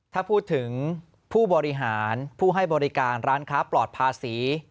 ถ้าพูดถึงผู้บริหารผู้ให้บริการร้านค้าปลอดภาษี